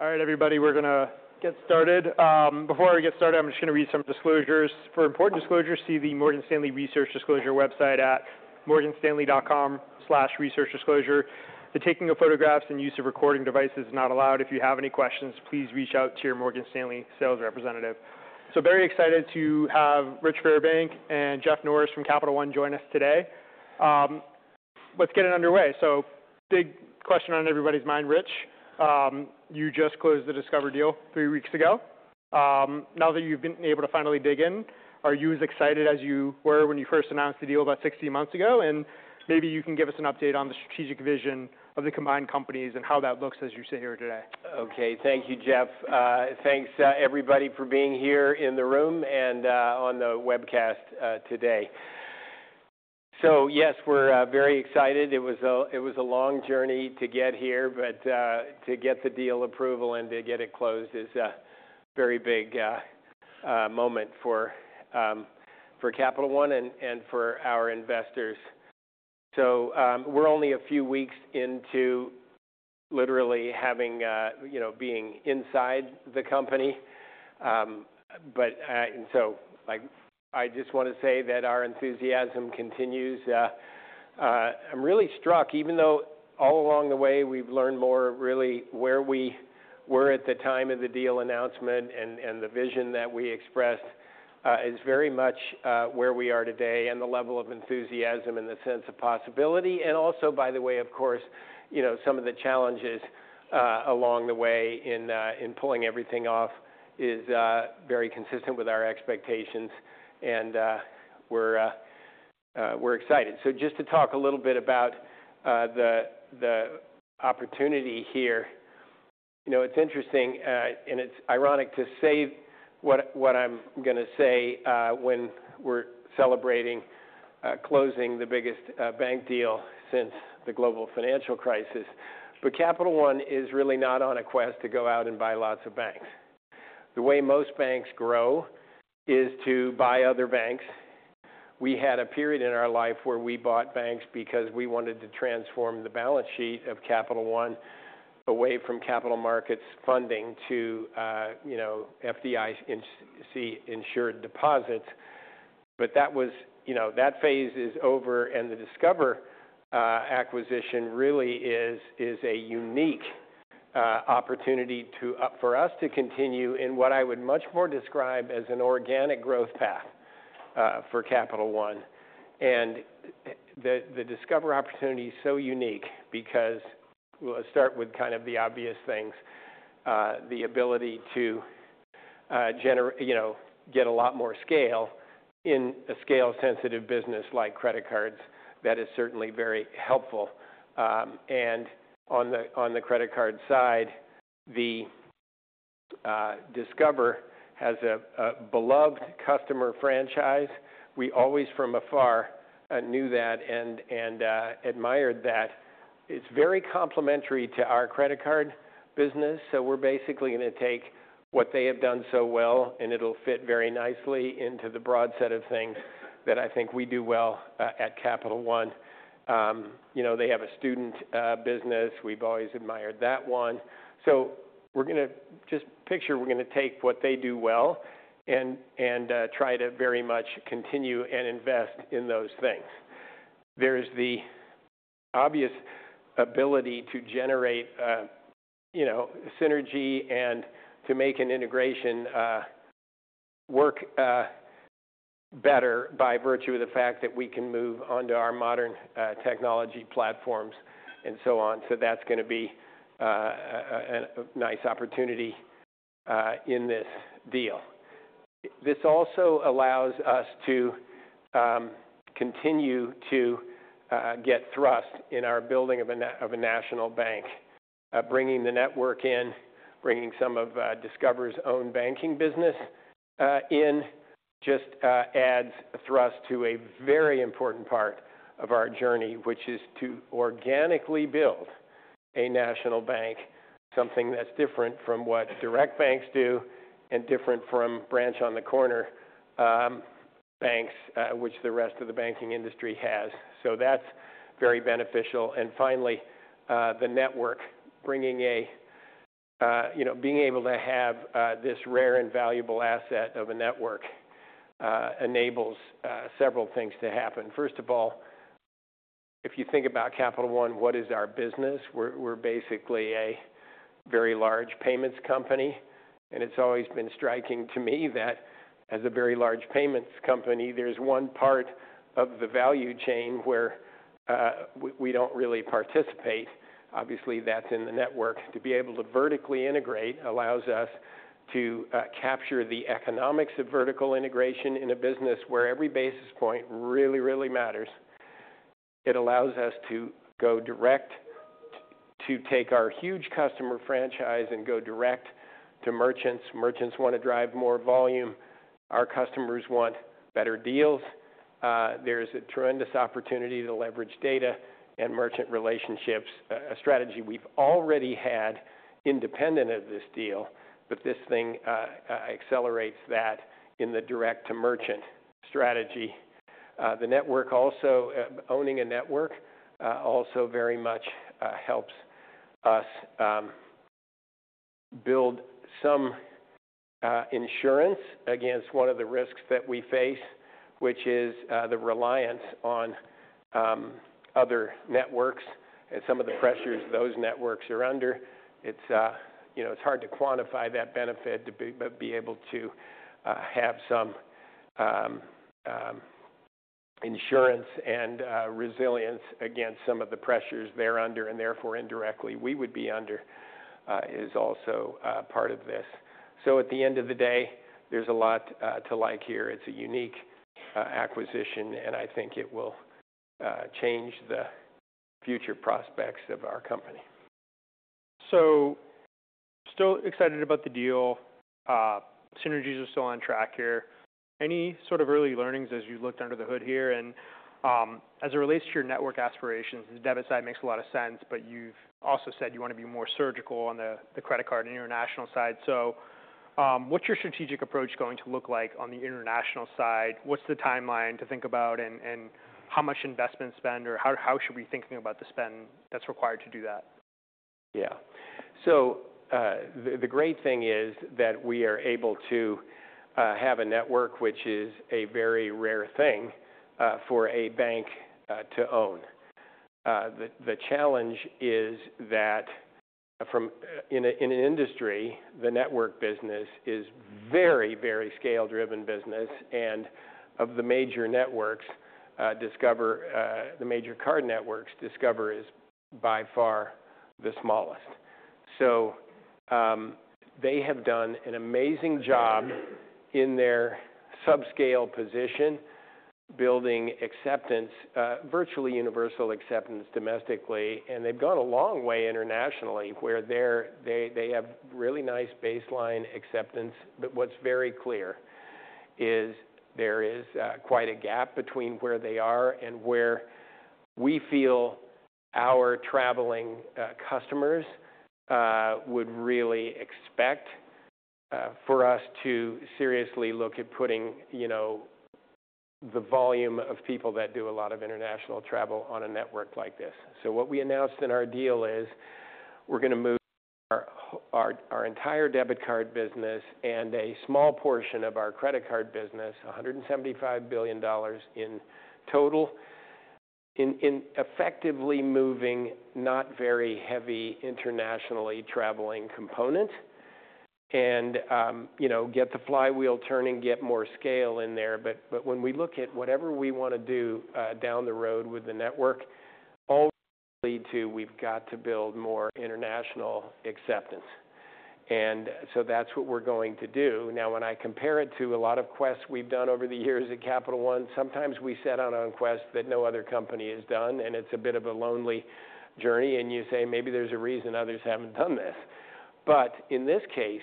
All right, everybody, we're gonna get started. Before we get started, I'm just gonna read some disclosures. For important disclosures, see the Morgan Stanley Research Disclosure website at morganstanley.com/researchdisclosure. The taking of photographs and use of recording devices is not allowed. If you have any questions, please reach out to your Morgan Stanley sales representative. Very excited to have Rich Fairbank and Jeff Norris from Capital One join us today. Let's get it underway. Big question on everybody's mind, Rich. You just closed the Discover deal three weeks ago. Now that you've been able to finally dig in, are you as excited as you were when you first announced the deal about 16 months ago? Maybe you can give us an update on the strategic vision of the combined companies and how that looks as you sit here today. Okay. Thank you, Jeff. Thanks, everybody, for being here in the room and on the webcast today. Yes, we're very excited. It was a long journey to get here, but to get the deal approval and to get it closed is a very big moment for Capital One and for our investors. We're only a few weeks into literally having, you know, being inside the company, but, and so, like, I just wanna say that our enthusiasm continues. I'm really struck, even though all along the way we've learned more, really where we were at the time of the deal announcement and the vision that we expressed, is very much where we are today and the level of enthusiasm and the sense of possibility. Also, by the way, of course, you know, some of the challenges along the way in pulling everything off is very consistent with our expectations. We're excited. Just to talk a little bit about the opportunity here. You know, it's interesting, and it's ironic to say what I'm gonna say when we're celebrating closing the biggest bank deal since the global financial crisis. Capital One is really not on a quest to go out and buy lots of banks. The way most banks grow is to buy other banks. We had a period in our life where we bought banks because we wanted to transform the balance sheet of Capital One away from capital markets funding to, you know, FDIC-insured deposits. That phase is over. The Discover acquisition really is a unique opportunity for us to continue in what I would much more describe as an organic growth path for Capital One. The Discover opportunity is so unique because we'll start with kind of the obvious things, the ability to generate, you know, get a lot more scale in a scale-sensitive business like credit cards. That is certainly very helpful. On the credit card side, Discover has a beloved customer franchise. We always, from afar, knew that and admired that. It's very complementary to our credit card business. We're basically gonna take what they have done so well, and it'll fit very nicely into the broad set of things that I think we do well at Capital One. You know, they have a student business. We've always admired that one. We're gonna just picture we're gonna take what they do well and, and try to very much continue and invest in those things. There's the obvious ability to generate, you know, synergy and to make an integration work better by virtue of the fact that we can move onto our modern technology platforms and so on. That's gonna be a nice opportunity in this deal. This also allows us to continue to get thrust in our building of a national bank, bringing the network in, bringing some of Discover's own banking business in just adds thrust to a very important part of our journey, which is to organically build a national bank, something that's different from what direct banks do and different from branch on the corner banks, which the rest of the banking industry has. That's very beneficial. Finally, the network, bringing a, you know, being able to have this rare and valuable asset of a network, enables several things to happen. First of all, if you think about Capital One, what is our business? We're basically a very large payments company. It has always been striking to me that as a very large payments company, there is one part of the value chain where we do not really participate. Obviously, that is in the network. To be able to vertically integrate allows us to capture the economics of vertical integration in a business where every basis point really, really matters. It allows us to go direct to, to take our huge customer franchise and go direct to merchants. Merchants want to drive more volume. Our customers want better deals. There is a tremendous opportunity to leverage data and merchant relationships, a strategy we have already had independent of this deal. This thing accelerates that in the direct-to-merchant strategy. The network also, owning a network, also very much helps us build some insurance against one of the risks that we face, which is the reliance on other networks and some of the pressures those networks are under. It's, you know, it's hard to quantify that benefit to me, but to be able to have some insurance and resilience against some of the pressures they're under and therefore indirectly we would be under is also part of this. At the end of the day, there's a lot to like here. It's a unique acquisition, and I think it will change the future prospects of our company. Still excited about the deal. Synergies are still on track here. Any sort of early learnings as you looked under the hood here? As it relates to your network aspirations, the debit side makes a lot of sense, but you've also said you wanna be more surgical on the credit card and international side. What's your strategic approach going to look like on the international side? What's the timeline to think about and how much investment spend or how should we be thinking about the spend that's required to do that? Yeah. The great thing is that we are able to have a network, which is a very rare thing for a bank to own. The challenge is that, in an industry, the network business is a very, very scale-driven business. And of the major networks, Discover, the major card networks, Discover is by far the smallest. They have done an amazing job in their subscale position, building acceptance, virtually universal acceptance domestically. They have gone a long way internationally where they have really nice baseline acceptance. What is very clear is there is quite a gap between where they are and where we feel our traveling customers would really expect, for us to seriously look at putting, you know, the volume of people that do a lot of international travel on a network like this. What we announced in our deal is we're gonna move our entire debit card business and a small portion of our credit card business, $175 billion in total, in effectively moving not very heavy internationally traveling components and, you know, get the flywheel turning, get more scale in there. When we look at whatever we wanna do down the road with the network, all lead to we've got to build more international acceptance. That is what we're going to do. Now, when I compare it to a lot of quests we've done over the years at Capital One, sometimes we set out on quests that no other company has done. It is a bit of a lonely journey. You say, maybe there's a reason others haven't done this. In this case,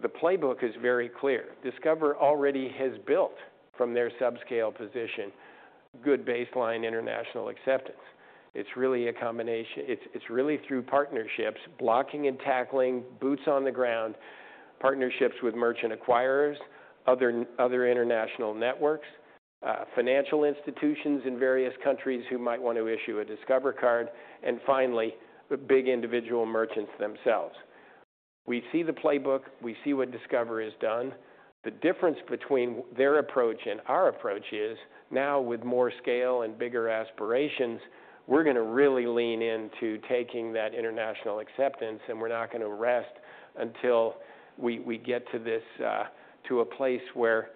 the playbook is very clear. Discover already has built from their subscale position good baseline international acceptance. It is really a combination. It is really through partnerships, blocking and tackling, boots on the ground, partnerships with merchant acquirers, other international networks, financial institutions in various countries who might wanna issue a Discover card, and finally, big individual merchants themselves. We see the playbook. We see what Discover has done. The difference between their approach and our approach is now, with more scale and bigger aspirations, we're gonna really lean into taking that international acceptance. We're not gonna rest until we get to this, to a place where,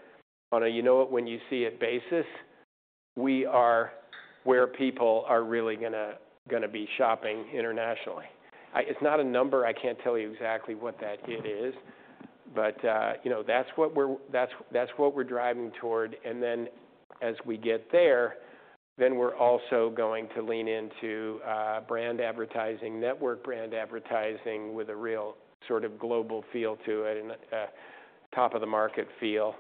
on a, you know it when you see it basis, we are where people are really gonna be shopping internationally. It's not a number. I can't tell you exactly what that is. But, you know, that's what we're, that's what we're driving toward. As we get there, we're also going to lean into brand advertising, network brand advertising with a real sort of global feel to it and a top-of-the-market feel.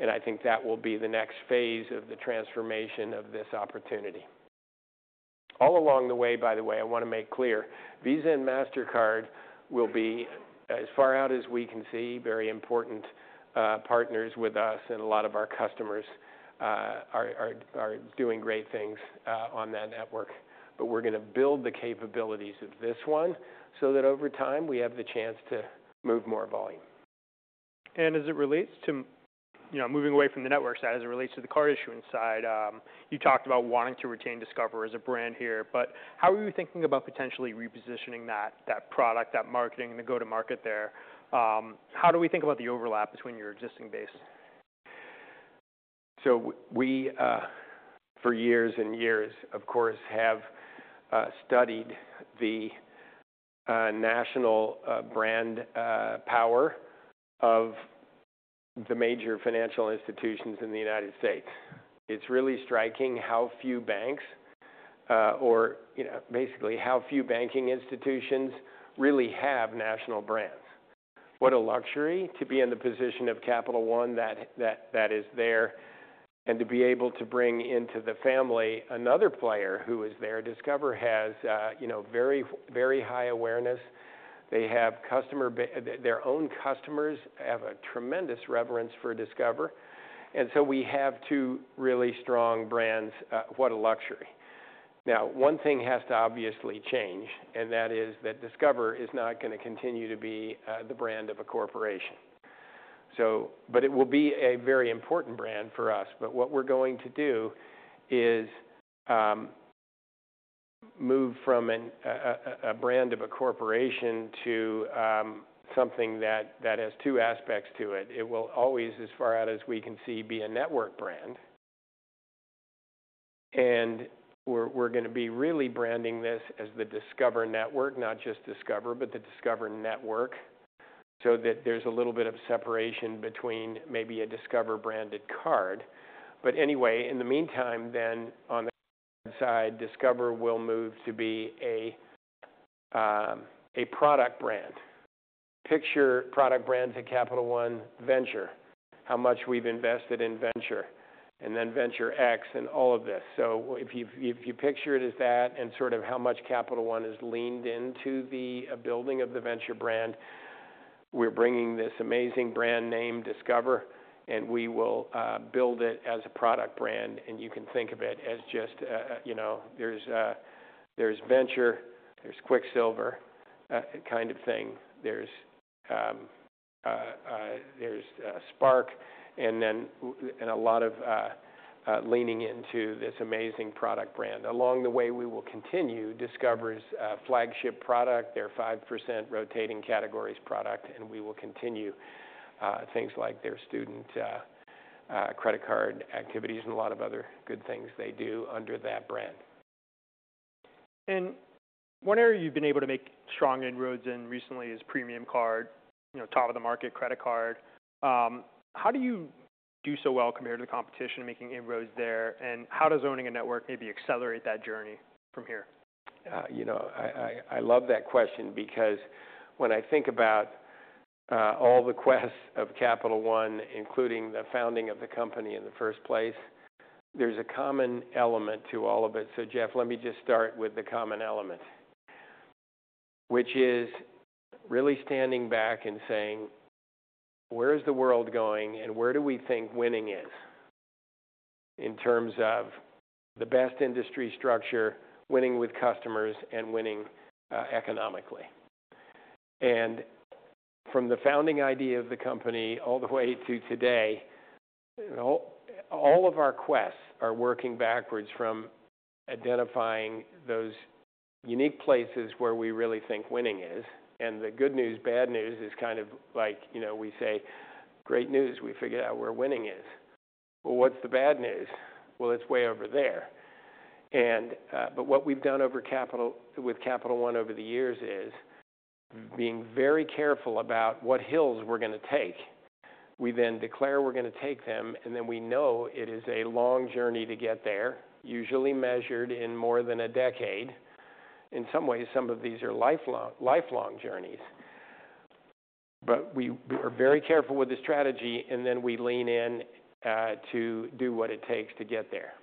I think that will be the next phase of the transformation of this opportunity. All along the way, by the way, I wanna make clear, Visa and MasterCard will be, as far out as we can see, very important partners with us. A lot of our customers are doing great things on that network. We're gonna build the capabilities of this one so that over time we have the chance to move more volume. As it relates to, you know, moving away from the network side, as it relates to the card issuance side, you talked about wanting to retain Discover as a brand here. How are you thinking about potentially repositioning that, that product, that marketing, the go-to-market there? How do we think about the overlap between your existing base? We, for years and years, of course, have studied the national brand power of the major financial institutions in the United States. It's really striking how few banks, or, you know, basically how few banking institutions really have national brands. What a luxury to be in the position of Capital One that is there and to be able to bring into the family another player who is there. Discover has, you know, very, very high awareness. Their own customers have a tremendous reverence for Discover. We have two really strong brands. What a luxury. Now, one thing has to obviously change, and that is that Discover is not gonna continue to be the brand of a corporation. It will be a very important brand for us. What we're going to do is move from a brand of a corporation to something that has two aspects to it. It will always, as far out as we can see, be a network brand. We're going to be really branding this as the Discover Network, not just Discover, but the Discover Network so that there's a little bit of separation between maybe a Discover-branded card. Anyway, in the meantime, on the side, Discover will move to be a product brand. Picture product brands at Capital One Venture, how much we've invested in Venture, and then Venture X and all of this. If you picture it as that and sort of how much Capital One has leaned into the building of the Venture brand, we're bringing this amazing brand name, Discover, and we will build it as a product brand. You can think of it as just, you know, there's Venture, there's Quicksilver, kind of thing. There's Spark. And a lot of leaning into this amazing product brand. Along the way, we will continue Discover's flagship product, their 5% rotating categories product. We will continue things like their student credit card activities and a lot of other good things they do under that brand. One area you've been able to make strong inroads in recently is premium card, you know, top-of-the-market credit card. How do you do so well compared to the competition making inroads there? How does owning a network maybe accelerate that journey from here? You know, I love that question because when I think about all the quests of Capital One, including the founding of the company in the first place, there's a common element to all of it. So, Jeff, let me just start with the common element, which is really standing back and saying, where is the world going and where do we think winning is in terms of the best industry structure, winning with customers and winning economically? And from the founding idea of the company all the way to today, all of our quests are working backwards from identifying those unique places where we really think winning is. The good news, bad news is kind of like, you know, we say, great news, we figured out where winning is. What's the bad news? It's way over there. What we have done with Capital One over the years is being very careful about what hills we are going to take. We then declare we are going to take them, and then we know it is a long journey to get there, usually measured in more than a decade. In some ways, some of these are lifelong journeys. We are very careful with the strategy, and then we lean in to do what it takes to get there.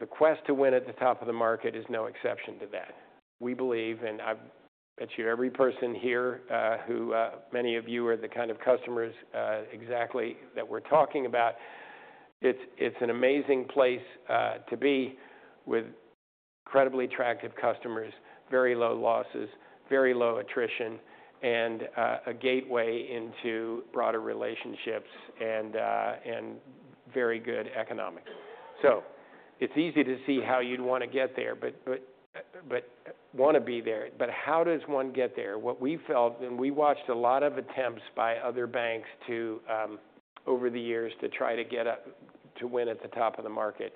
The quest to win at the top of the market is no exception to that. We believe, and I bet you every person here, who, many of you are the kind of customers exactly that we are talking about, it is an amazing place to be with incredibly attractive customers, very low losses, very low attrition, and a gateway into broader relationships and very good economics. It's easy to see how you'd wanna get there, but wanna be there. How does one get there? What we felt, and we watched a lot of attempts by other banks over the years to try to get up to win at the top of the market.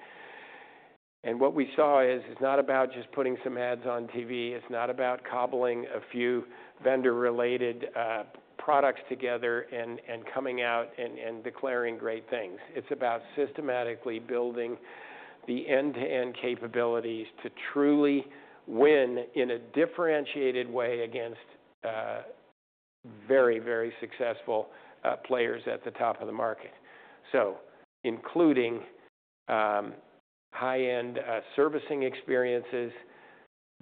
What we saw is it's not about just putting some ads on TV. It's not about cobbling a few vendor-related products together and coming out and declaring great things. It's about systematically building the end-to-end capabilities to truly win in a differentiated way against very, very successful players at the top of the market. Including high-end servicing experiences,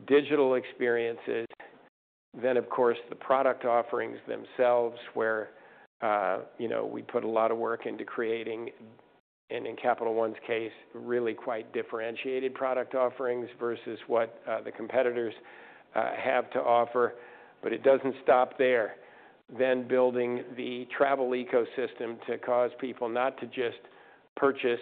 digital experiences, then, of course, the product offerings themselves where, you know, we put a lot of work into creating, and in Capital One's case, really quite differentiated product offerings versus what the competitors have to offer. It does not stop there. Building the travel ecosystem causes people not to just purchase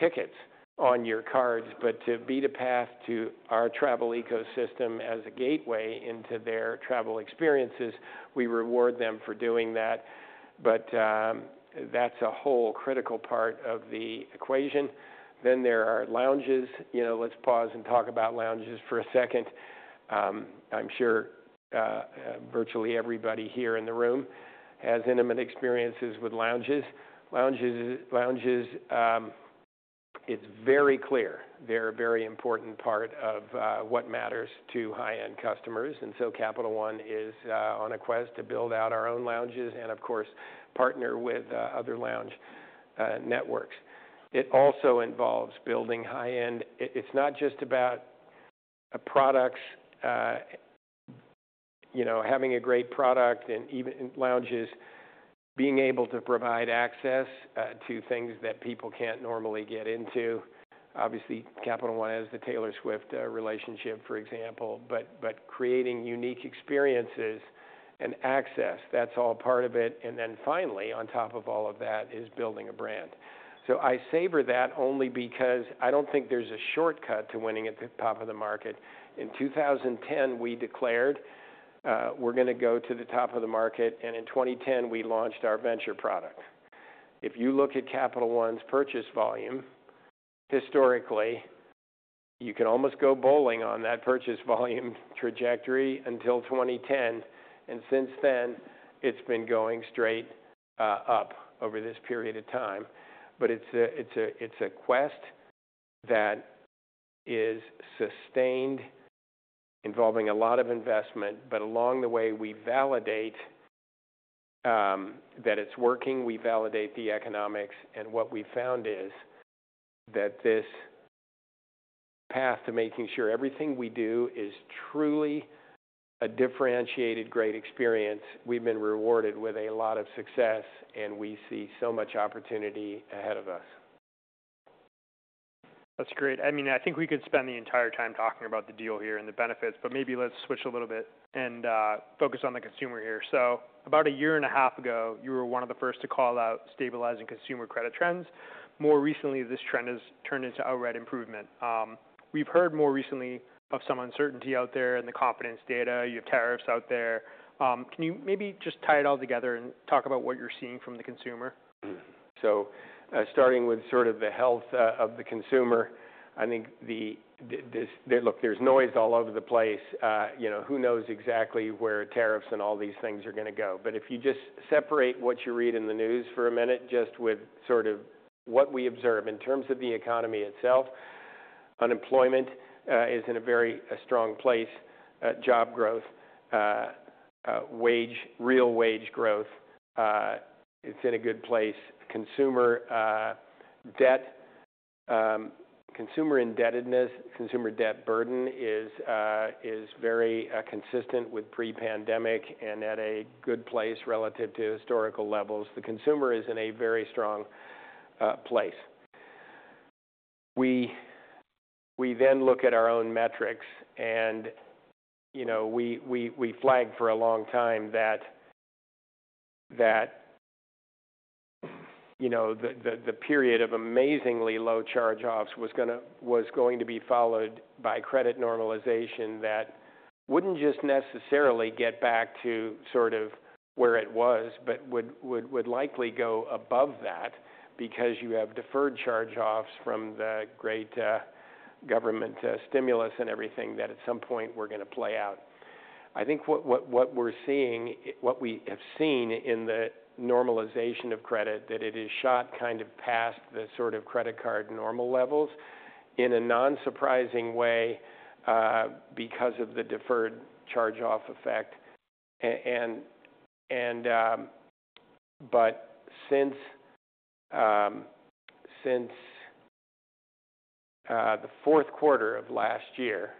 tickets on your cards, but to be the path to our travel ecosystem as a gateway into their travel experiences. We reward them for doing that. That is a whole critical part of the equation. There are lounges. You know, let's pause and talk about lounges for a second. I'm sure virtually everybody here in the room has intimate experiences with lounges. Lounges, lounges, it's very clear they're a very important part of what matters to high-end customers. Capital One is on a quest to build out our own lounges and, of course, partner with other lounge networks. It also involves building high-end. It's not just about products, you know, having a great product and even lounges, being able to provide access to things that people can't normally get into. Obviously, Capital One has the Taylor Swift relationship, for example. Creating unique experiences and access, that's all part of it. Finally, on top of all of that is building a brand. I savor that only because I don't think there's a shortcut to winning at the top of the market. In 2010, we declared, we're gonna go to the top of the market. In 2010, we launched our Venture product. If you look at Capital One's purchase volume, historically, you can almost go bowling on that purchase volume trajectory until 2010. Since then, it's been going straight up over this period of time. It's a quest that is sustained involving a lot of investment. Along the way, we validate that it's working. We validate the economics. What we've found is that this path to making sure everything we do is truly a differentiated great experience, we've been rewarded with a lot of success, and we see so much opportunity ahead of us. That's great. I mean, I think we could spend the entire time talking about the deal here and the benefits. Maybe let's switch a little bit and focus on the consumer here. About a year and a half ago, you were one of the first to call out stabilizing consumer credit trends. More recently, this trend has turned into outright improvement. We've heard more recently of some uncertainty out there in the confidence data. You have tariffs out there. Can you maybe just tie it all together and talk about what you're seeing from the consumer? Mm-hmm. Starting with sort of the health of the consumer, I think there, look, there's noise all over the place. You know, who knows exactly where tariffs and all these things are gonna go. If you just separate what you read in the news for a minute, just with sort of what we observe in terms of the economy itself, unemployment is in a very strong place, job growth, wage, real wage growth, it's in a good place. Consumer debt, consumer indebtedness, consumer debt burden is very consistent with pre-pandemic and at a good place relative to historical levels. The consumer is in a very strong place. We then look at our own metrics and, you know, we flagged for a long time that, you know, the period of amazingly low charge-offs was going to be followed by credit normalization that would not just necessarily get back to sort of where it was, but would likely go above that because you have deferred charge-offs from the great government stimulus and everything that at some point are going to play out. I think what we are seeing, what we have seen in the normalization of credit, is that it has shot kind of past the sort of credit card normal levels in a non-surprising way, because of the deferred charge-off effect. Since the fourth quarter of last year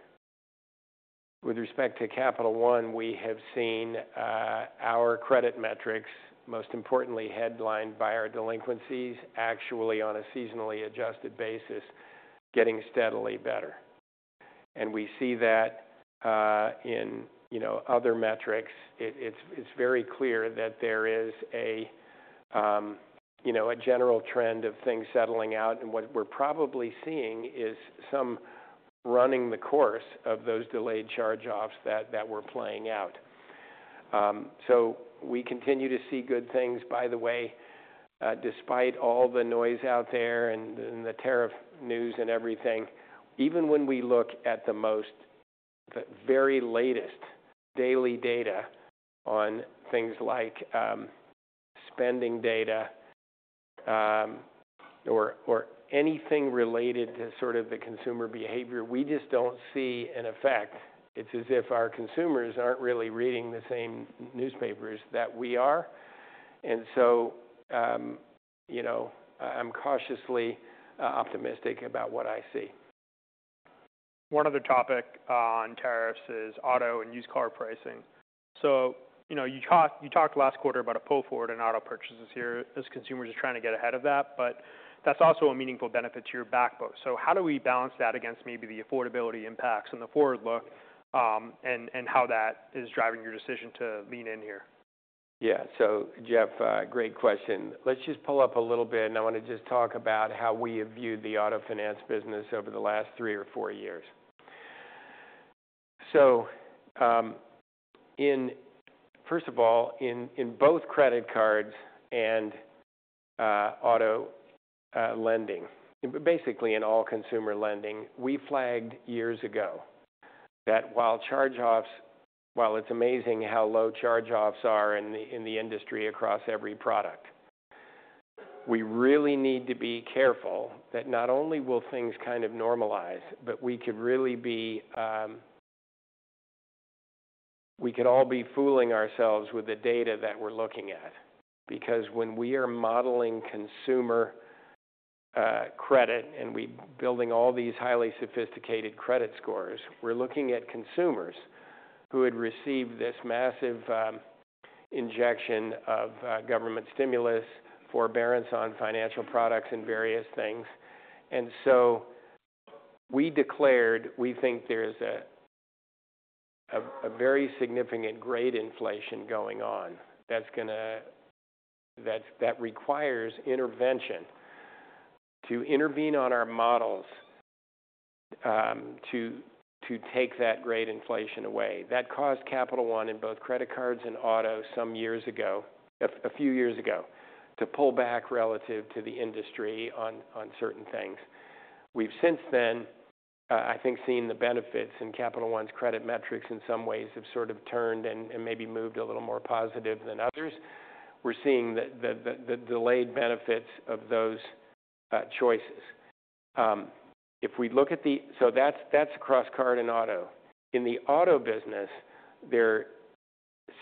with respect to Capital One, we have seen our credit metrics, most importantly headlined by our delinquencies, actually on a seasonally adjusted basis, getting steadily better. We see that in, you know, other metrics. It is very clear that there is a, you know, a general trend of things settling out. What we are probably seeing is some running the course of those delayed charge-offs that we are playing out. We continue to see good things. By the way, despite all the noise out there and the tariff news and everything, even when we look at the most, the very latest daily data on things like spending data, or anything related to sort of the consumer behavior, we just do not see an effect. It's as if our consumers aren't really reading the same newspapers that we are. You know, I'm cautiously optimistic about what I see. One other topic on tariffs is auto and used car pricing. You talked last quarter about a pull forward in auto purchases here as consumers are trying to get ahead of that. That is also a meaningful benefit to your backbone. How do we balance that against maybe the affordability impacts and the forward look, and how that is driving your decision to lean in here? Yeah. Jeff, great question. Let's just pull up a little bit, and I wanna just talk about how we have viewed the auto finance business over the last 3 or 4 years. First of all, in both credit cards and auto lending, but basically in all consumer lending, we flagged years ago that while charge-offs, while it's amazing how low charge-offs are in the industry across every product, we really need to be careful that not only will things kind of normalize, but we could really be, we could all be fooling ourselves with the data that we're looking at. Because when we are modeling consumer credit and we are building all these highly sophisticated credit scores, we're looking at consumers who had received this massive injection of government stimulus, forbearance on financial products and various things. We declared we think there is a very significant grade inflation going on that is going to, that requires intervention to intervene on our models, to take that grade inflation away. That caused Capital One in both credit cards and auto some years ago, a few years ago, to pull back relative to the industry on certain things. We have since then, I think, seen the benefits, and Capital One's credit metrics in some ways have sort of turned and maybe moved a little more positive than others. We are seeing the delayed benefits of those choices. If we look at the, so that is across card and auto. In the auto business, there are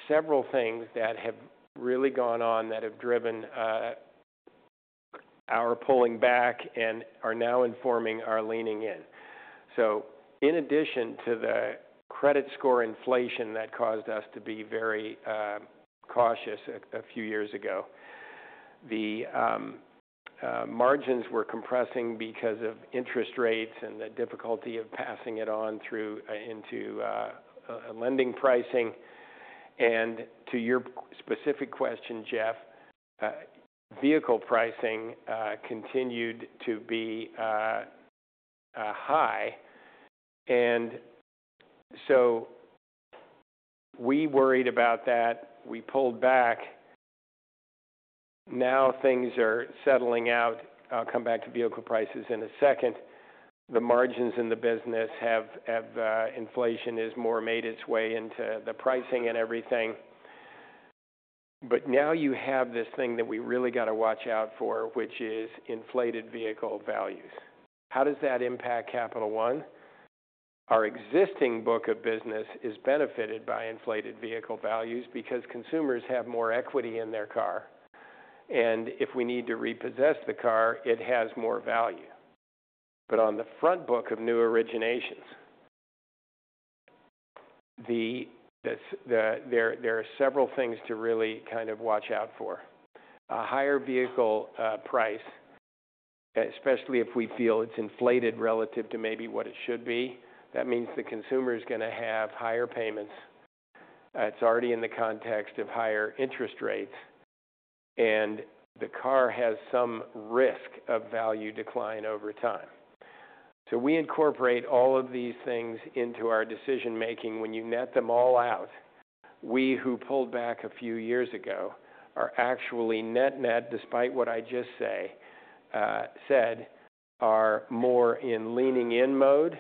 several things that have really gone on that have driven our pulling back and are now informing our leaning in. In addition to the credit score inflation that caused us to be very cautious a few years ago, the margins were compressing because of interest rates and the difficulty of passing it on through into lending pricing. To your specific question, Jeff, vehicle pricing continued to be high. We worried about that. We pulled back. Now things are settling out. I'll come back to vehicle prices in a second. The margins in the business have, inflation has more made its way into the pricing and everything. Now you have this thing that we really got to watch out for, which is inflated vehicle values. How does that impact Capital One? Our existing book of business is benefited by inflated vehicle values because consumers have more equity in their car. If we need to repossess the car, it has more value. On the front book of new originations, there are several things to really kind of watch out for. A higher vehicle price, especially if we feel it is inflated relative to maybe what it should be, means the consumer is gonna have higher payments. It is already in the context of higher interest rates, and the car has some risk of value decline over time. We incorporate all of these things into our decision-making. When you net them all out, we who pulled back a few years ago are actually net-net, despite what I just said, more in leaning in mode.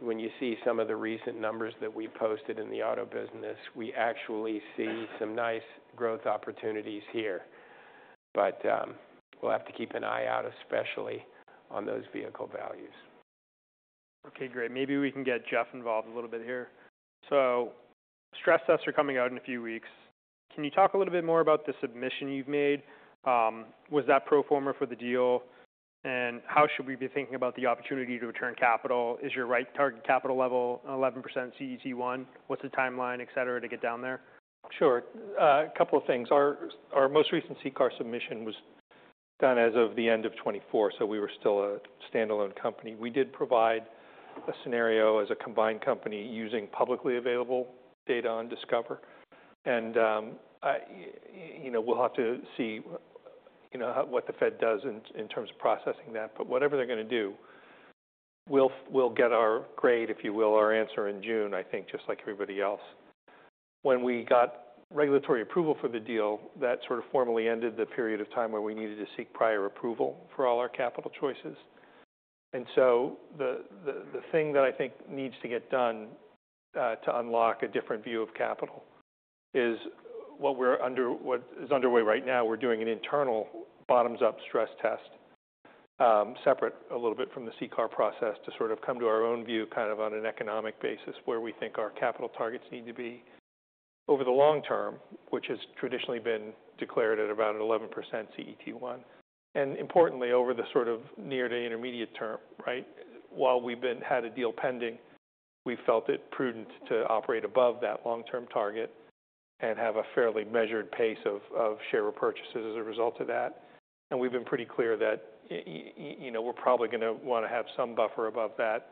When you see some of the recent numbers that we posted in the auto business, we actually see some nice growth opportunities here. We will have to keep an eye out, especially on those vehicle values. Okay. Great. Maybe we can get Jeff involved a little bit here. Stress tests are coming out in a few weeks. Can you talk a little bit more about the submission you've made? Was that pro-forma for the deal? And how should we be thinking about the opportunity to return capital? Is your right target capital level 11% CET1? What's the timeline, etc., to get down there? Sure. A couple of things. Our most recent CCAR submission was done as of the end of 2024, so we were still a standalone company. We did provide a scenario as a combined company using publicly available data on Discover. You know, we'll have to see, you know, what the Fed does in terms of processing that. Whatever they are going to do, we'll get our grade, if you will, our answer in June, I think, just like everybody else. When we got regulatory approval for the deal, that sort of formally ended the period of time where we needed to seek prior approval for all our capital choices. The thing that I think needs to get done to unlock a different view of capital is what is underway right now. We're doing an internal bottoms-up stress test, separate a little bit from the CCAR process to sort of come to our own view kind of on an economic basis where we think our capital targets need to be over the long term, which has traditionally been declared at about 11% CET1. Importantly, over the sort of near to intermediate term, right? While we've had a deal pending, we've felt it prudent to operate above that long-term target and have a fairly measured pace of share repurchases as a result of that. We've been pretty clear that, you know, we're probably gonna wanna have some buffer above that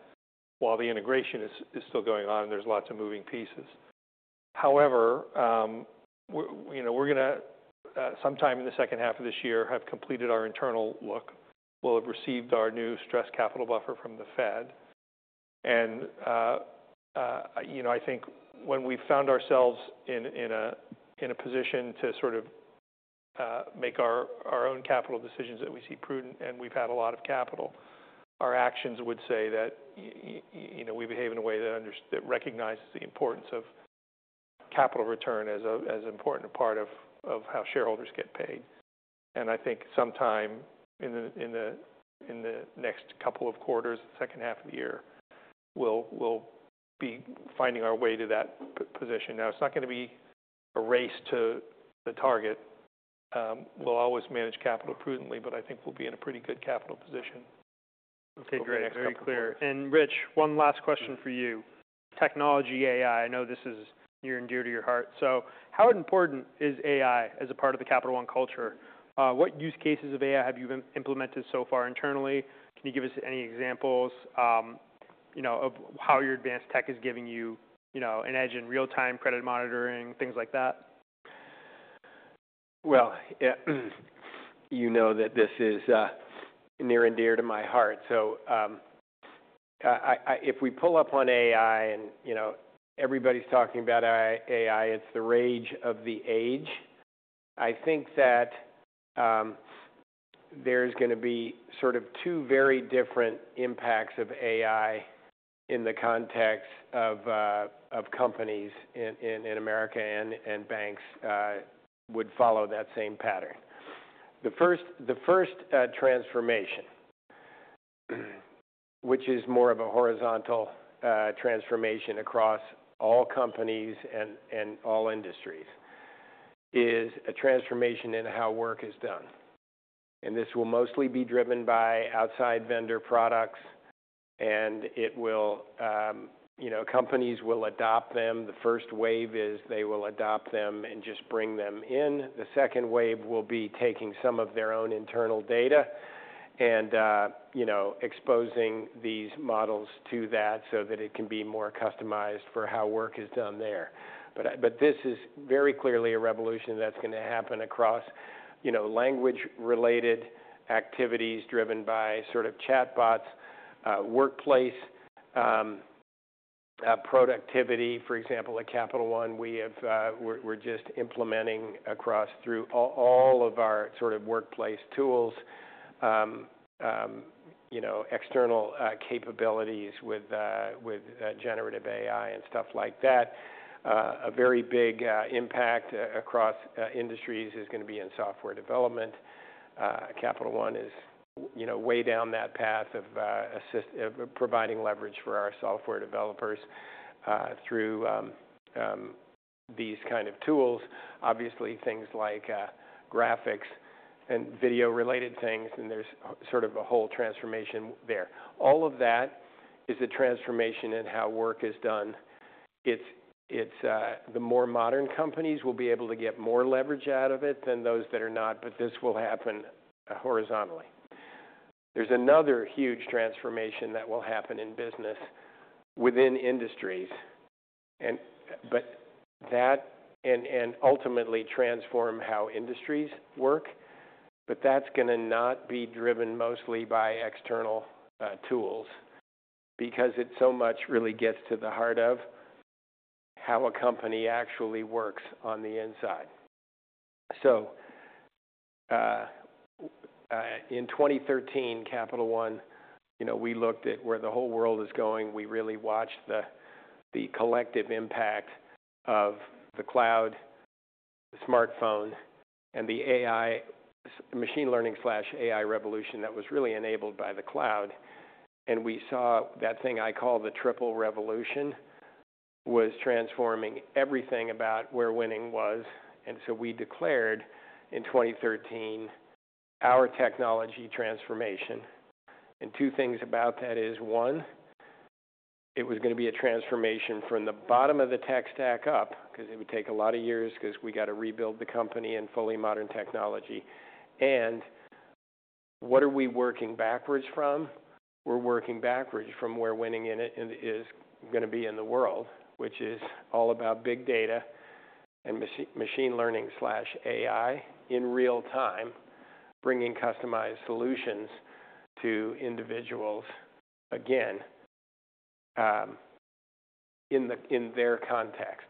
while the integration is still going on and there's lots of moving pieces. However, we're, you know, we're gonna, sometime in the second half of this year have completed our internal look. We'll have received our new stress capital buffer from the Fed. You know, I think when we've found ourselves in a position to sort of make our own capital decisions that we see prudent and we've had a lot of capital, our actions would say that, you know, we behave in a way that recognizes the importance of capital return as an important part of how shareholders get paid. I think sometime in the next couple of quarters, second half of the year, we'll be finding our way to that position. It's not gonna be a race to the target. We'll always manage capital prudently, but I think we'll be in a pretty good capital position. Okay. Great. Very clear. And Rich, one last question for you. Technology, AI, I know this is near and dear to your heart. So how important is AI as a part of the Capital One culture? What use cases of AI have you implemented so far internally? Can you give us any examples, you know, of how your advanced tech is giving you, you know, an edge in real-time credit monitoring, things like that? Yeah, you know that this is near and dear to my heart. I, I, if we pull up on AI and, you know, everybody's talking about AI, AI, it's the rage of the age. I think that there's gonna be sort of two very different impacts of AI in the context of companies in America, and banks would follow that same pattern. The first transformation, which is more of a horizontal transformation across all companies and all industries, is a transformation in how work is done. This will mostly be driven by outside vendor products, and it will, you know, companies will adopt them. The first wave is they will adopt them and just bring them in. The second wave will be taking some of their own internal data and, you know, exposing these models to that so that it can be more customized for how work is done there. This is very clearly a revolution that's gonna happen across, you know, language-related activities driven by sort of chatbots, workplace, productivity. For example, at Capital One, we have, we're just implementing across through all, all of our sort of workplace tools, you know, external capabilities with generative AI and stuff like that. A very big impact across industries is gonna be in software development. Capital One is, you know, way down that path of providing leverage for our software developers through these kind of tools, obviously things like graphics and video related things. There is sort of a whole transformation there. All of that is a transformation in how work is done. It's, it's, the more modern companies will be able to get more leverage out of it than those that are not, but this will happen horizontally. There's another huge transformation that will happen in business within industries. That and, and ultimately transform how industries work, but that's gonna not be driven mostly by external tools because it so much really gets to the heart of how a company actually works on the inside. In 2013, Capital One, you know, we looked at where the whole world is going. We really watched the, the collective impact of the cloud, smartphone, and the AI machine learning/AI revolution that was really enabled by the cloud. We saw that thing I call the triple revolution was transforming everything about where winning was. We declared in 2013 our technology transformation. Two things about that is, one, it was gonna be a transformation from the bottom of the tech stack up 'cause it would take a lot of years 'cause we got to rebuild the company and fully modern technology. What are we working backwards from? We're working backwards from where winning in it is gonna be in the world, which is all about big data and machine learning/AI in real time, bringing customized solutions to individuals again, in their context.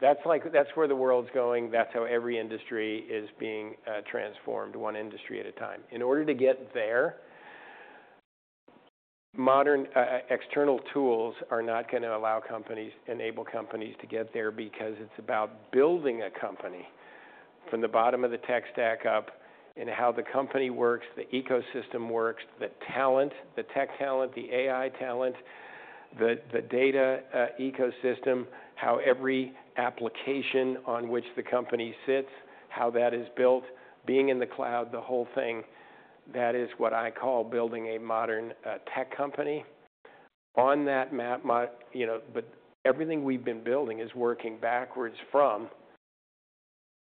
That's like, that's where the world's going. That's how every industry is being transformed, one industry at a time. In order to get there, modern, external tools are not gonna allow companies, enable companies to get there because it's about building a company from the bottom of the tech stack up and how the company works, the ecosystem works, the talent, the tech talent, the AI talent, the data ecosystem, how every application on which the company sits, how that is built, being in the cloud, the whole thing, that is what I call building a modern, tech company. On that map, you know, but everything we've been building is working backwards from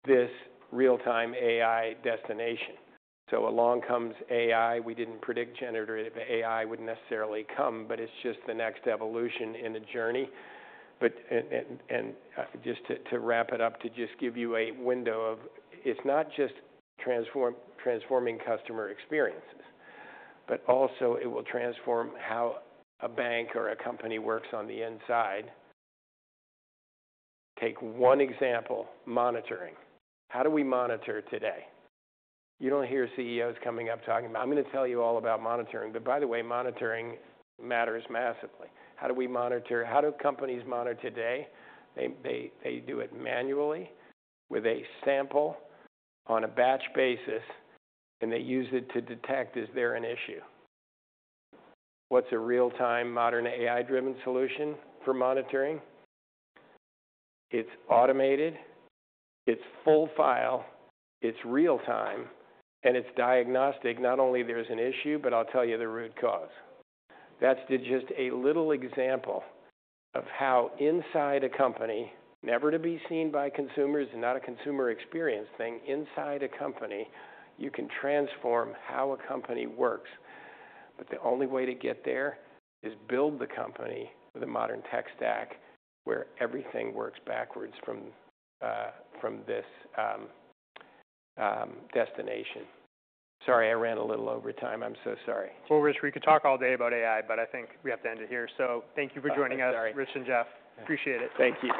this real-time AI destination. Along comes AI. We didn't predict generative AI would necessarily come, but it's just the next evolution in the journey. And just to wrap it up, to just give you a window of it's not just transforming customer experiences, but also it will transform how a bank or a company works on the inside. Take one example, monitoring. How do we monitor today? You don't hear CEOs coming up talking about, "I'm gonna tell you all about monitoring." By the way, monitoring matters massively. How do we monitor? How do companies monitor today? They do it manually with a sample on a batch basis, and they use it to detect, is there an issue? What's a real-time modern AI-driven solution for monitoring? It's automated. It's full file. It's real time. And it's diagnostic. Not only there's an issue, but I'll tell you the root cause. That's just a little example of how inside a company, never to be seen by consumers, not a consumer experience thing, inside a company, you can transform how a company works. The only way to get there is build the company with a modern tech stack where everything works backwards from this destination. Sorry, I ran a little over time. I'm so sorry. Rich, we could talk all day about AI, but I think we have to end it here. So thank you for joining us. Yeah. Sorry. Rich and Jeff. Appreciate it. Thank you.